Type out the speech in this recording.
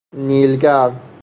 نیل گر